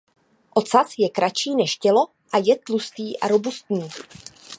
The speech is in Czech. Ocas je kratší než tělo a je tlustý a robustní.